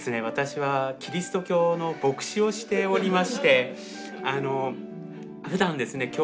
私はキリスト教の牧師をしておりましてふだんですね